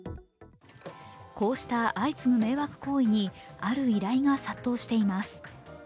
こうした相次ぐ迷惑行為に、ある依頼が殺到しています。